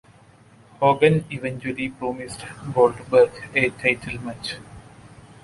Hogan eventually promised Goldberg a title match.